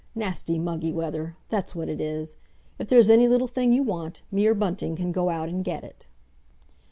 Nasty, muggy weather—that's what it is! If there's any little thing you want, me or Bunting can go out and get it."